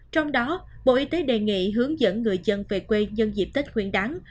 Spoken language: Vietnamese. trong đó bộ y tế đề nghị hướng dẫn người dân về quê nhân dịp tết nguyên đáng